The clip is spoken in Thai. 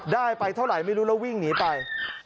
ได้ไปเท่าไหร่ไม่รู้แล้ววิ่งหนีไป